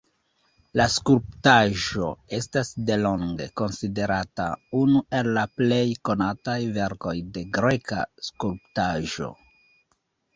La skulptaĵo estas delonge konsiderata unu el la plej konataj verkoj de greka skulptaĵo.